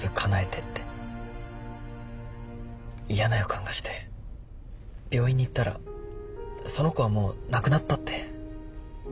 嫌な予感がして病院に行ったらその子はもう亡くなったって。